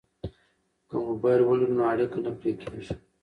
که موبایل ولرو نو اړیکه نه پرې کیږي.